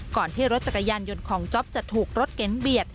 ที่รถจักรยานยนต์ของจ๊อปจะถูกรถเก๋งเบียด